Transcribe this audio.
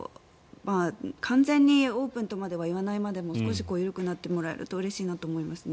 完全にオープンとまではいわないまで少し緩くなってくれるとうれしいなと思いますね。